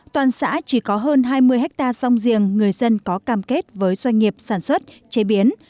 toàn xã chỉ có hơn hai mươi hectare song giềng người dân có cam kết với doanh nghiệp sản xuất chế biến